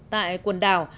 tại quần đảo